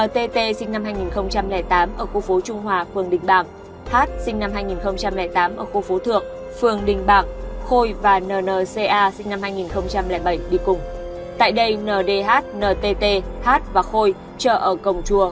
tại đây n d h n t t h và khôi trở ở cổng chùa